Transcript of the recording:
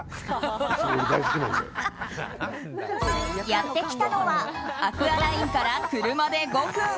やってきたのはアクアラインから車で５分。